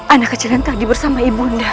anak kecil yang tadi bersama ibu undang